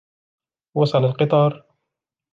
وصل القطار.